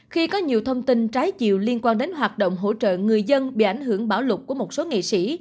khi có nhiều thông tin trái chiều liên quan đến hoạt động hỗ trợ người dân bị ảnh hưởng bảo lục của một số nghị sĩ